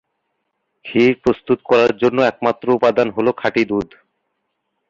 ক্ষীর প্রস্তুত করার জন্য একমাত্র উপাদান হলো খাঁটি দুধ।